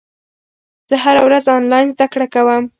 زه هره ورځ انلاین زده کړه کوم.